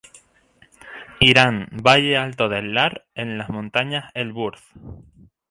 Irán: Valle alto del Lar, en las montañas Elburz.